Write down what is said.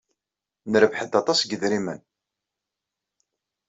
Nerbeḥ-d aṭas n yidrimen.